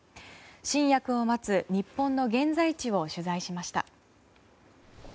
新薬を待つ日本の現在地を取材しました。